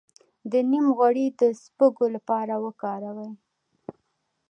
د نیم غوړي د سپږو لپاره وکاروئ